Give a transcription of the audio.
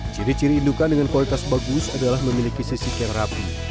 ciri ciri indukan dengan kualitas bagus adalah memiliki sisik yang rapi